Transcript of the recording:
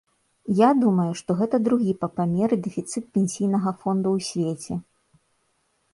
Я думаю, што гэта другі па памеры дэфіцыт пенсійнага фонду ў свеце.